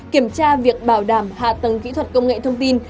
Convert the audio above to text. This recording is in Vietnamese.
kiểm tra việc bảo đảm hạ tầng kỹ thuật công nghệ thông tin